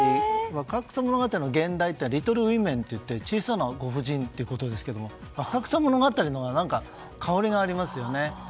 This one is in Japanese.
「若草物語」の現代って現代ってのはリトルウィメンといって小さなご婦人ということですが「若草物語」のは香りがありますよね。